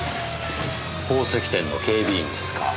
宝石店の警備員ですか。